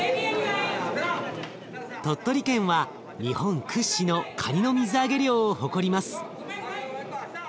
鳥取県は日本屈指のかにの水揚げ量を誇ります。